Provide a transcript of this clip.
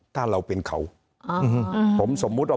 ถ้าเราเป็นเขาผมสมมุติว่า